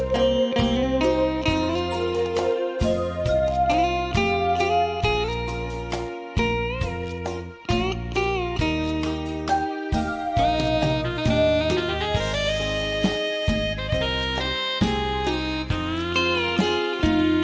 ขอบคุณครับ